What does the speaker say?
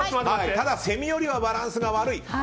ただ、セミよりはバランスが悪い。